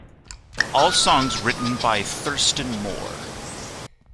All songs written by Thurston Moore.